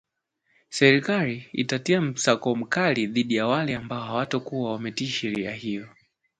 serikali itaanza msako mkali dhidi ya wale ambao hawatakuwa wametii sheria hiyo